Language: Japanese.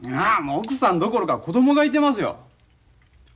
いや奥さんどころか子供がいてますよ。